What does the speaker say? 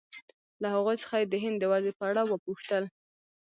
له هغوی څخه یې د هند د وضعې په اړه وپوښتل.